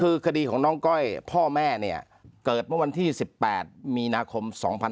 คือคดีของน้องก้อยพ่อแม่เนี่ยเกิดเมื่อวันที่๑๘มีนาคม๒๕๖๒